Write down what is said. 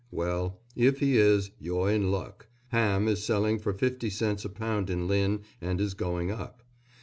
Well, if he is, you're in luck. Ham is selling for fifty cents a pound in Lynn and is going up.